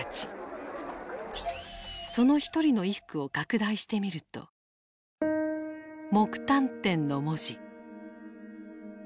その一人の衣服を拡大してみると「木炭店」の文字。